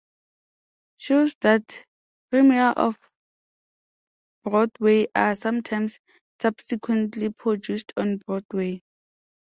Shows that premiere Off-Broadway are sometimes subsequently produced on Broadway.